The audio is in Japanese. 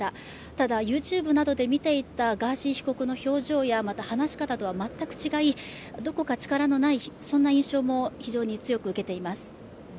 ただ、ＹｏｕＴｕｂｅなどで見ていたガーシー被告の表情やまた話し方とは全く違い、どこか力のない、そんな印象も非常に強く受けています。